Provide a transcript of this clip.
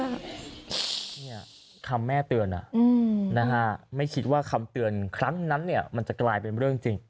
เนี่ยคำแม่เตือนนะฮะไม่คิดว่าคำเตือนครั้งนั้นเนี่ยมันจะกลายเป็นเรื่องจริง